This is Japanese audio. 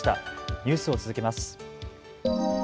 ニュースを続けます。